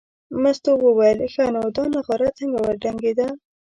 مستو وویل ښه نو دا نغاره څنګه وډنګېده.